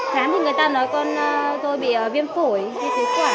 khám thì người ta nói con tôi bị viêm phổi hay phế quản